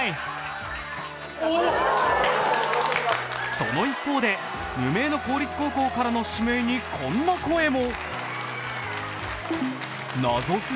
その一方で、無名の公立高校からの指名にこんな声も。